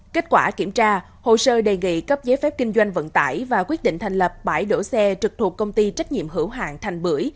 kết quả kiểm tra hồ sơ đề nghị cấp giấy phép kinh doanh vận tải và quyết định thành lập bãi đổ xe trực thuộc công ty trách nhiệm hữu hạng thành bưởi